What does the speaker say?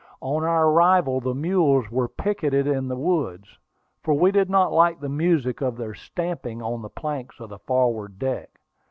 On our arrival the mules were picketed in the woods, for we did not like the music of their stamping on the planks of the forward deck.